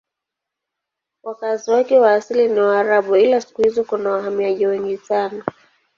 Wakazi wake wa asili ni Waarabu ila siku hizi kuna wahamiaji wengi sana.